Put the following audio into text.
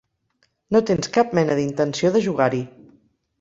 No tens cap mena d'intenció de jugar-hi.